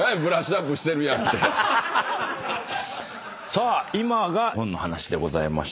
さあ今が本の話でございました。